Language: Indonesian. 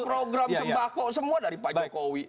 program sembako semua dari pak jokowi